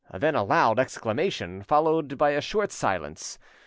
Then a loud exclamation, followed by a short silence.